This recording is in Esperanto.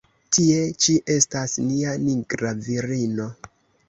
Tie ĉi estas nia nigra virino!